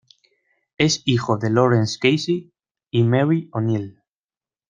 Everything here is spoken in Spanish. Es hijo de Lawrence Casey y Mary O'Neill.